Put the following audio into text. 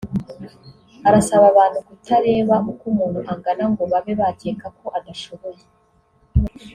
Arasaba abantu kutareba uko umuntu angana ngo babe bakeka ko adashoboye